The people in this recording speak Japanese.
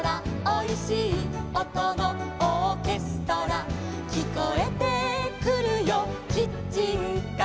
「おいしいおとのオーケストラ」「きこえてくるよキッチンから」